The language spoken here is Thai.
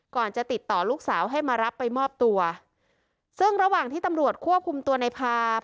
จะติดต่อลูกสาวให้มารับไปมอบตัวซึ่งระหว่างที่ตำรวจควบคุมตัวในพา